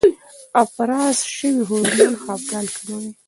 افراز شوی هورمون خپګان کموي.